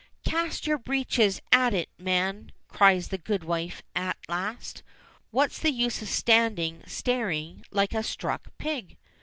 "Cast your breeches at it, man!" cries the goodwife at last. "What's the use of standing staring like a stuck pig?"